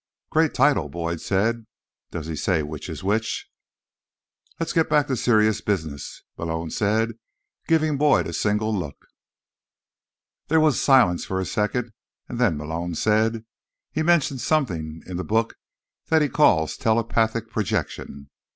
"Great title," Boyd said. "Does he say which is which?" "Let's get back to serious business," Malone said, giving Boyd a single look. There was silence for a second, and then Malone said, "He mentions something, in the book, that he calls 'telepathic projection.